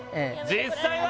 実際は？